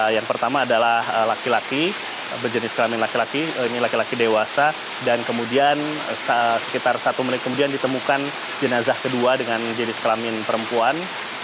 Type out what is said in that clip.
yang pertama adalah laki laki berjenis kelamin laki laki ini laki laki dewasa dan kemudian sekitar satu menit kemudian ditemukan jenazah kedua dengan jenis kelamin perempuan